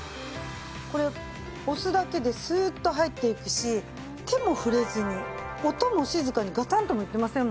これ押すだけですーっと入っていくし手も触れずに音も静かにガタンともいってませんもんね。